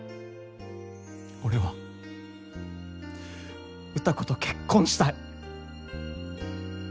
俺は歌子と結婚したい。